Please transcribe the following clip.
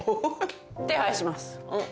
手配します。